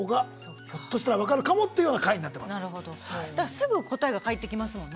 すぐ答えが返ってきますもんね